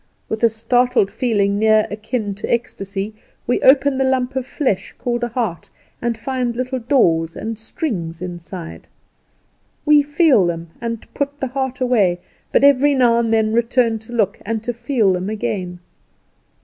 With a started feeling near akin to ecstasy we open the lump of flesh called a heart, and find little doors and strings inside. We feel them, and put the heart away; but every now and then return to look, and to feel them again.